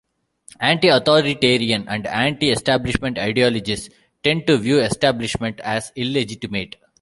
Anti-authoritarian and anti-establishment ideologies tend to view establishments as illegitimate.